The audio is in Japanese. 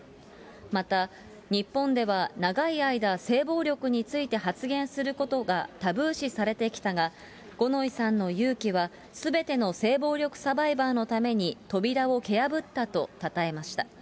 また、日本では長い間、性暴力について発言することがタブー視されてきたが、五ノ井さんの勇気はすべての性暴力サバイバーのために扉をけ破ったとたたえました。